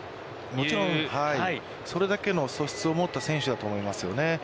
もちろんそれだけの素質を持った選手だと思いますよね。